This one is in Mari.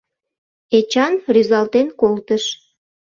Эчан рӱзалтен колтыш.